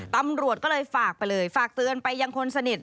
ตำรวจก็เลยฝากไปเลยฝากเตือนไปยังคนสนิท